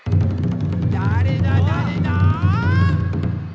だれだだれだ？